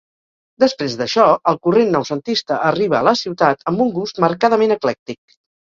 Després d'això el corrent noucentista arriba a la ciutat amb un gust marcadament eclèctic.